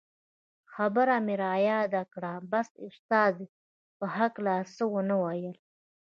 خبره مې رایاده کړه بس استاد یې په هکله څه و نه ویل.